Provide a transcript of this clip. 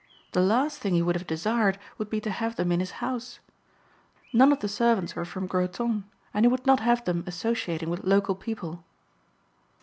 The last thing he would have desired would be to have them in his house. None of the servants were from Groton and he would not have them associating with local people."